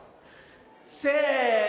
せの。